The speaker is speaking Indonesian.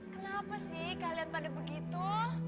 kenapa sih kalian pada begitu